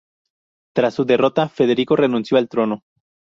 Tras su derrota, Federico renunció al trono.